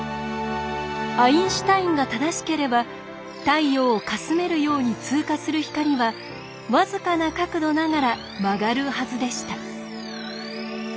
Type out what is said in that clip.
アインシュタインが正しければ太陽をかすめるように通過する光は僅かな角度ながら曲がるはずでした。